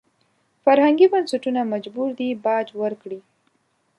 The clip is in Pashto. فرهنګي بنسټونه مجبور دي باج ورکړي.